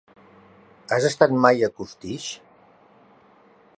Has estat mai a Costitx?